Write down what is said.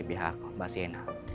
pihak mbak sienna